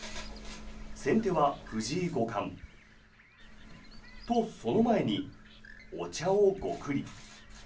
先手は藤井五冠。と、その前にお茶をゴクリ。